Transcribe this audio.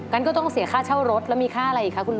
งั้นก็ต้องเสียค่าเช่ารถแล้วมีค่าอะไรอีกคะคุณน